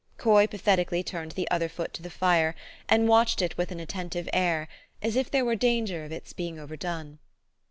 Coy pathetically turned the other foot to the fire, and watched it with an attentive air, as if there were danger of its being overdone.